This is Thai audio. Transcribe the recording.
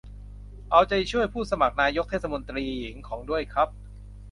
เอาใจช่วยผู้สมัครนายกเทศมนตรีหญิง ของ ด้วยครับ